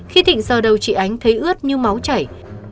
khi thịnh giờ đầu chị ánh thấy ướt như máu chảy